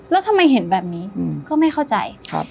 แล้วทำไมเห็นแบบนี้ก็ไม่เข้าใจ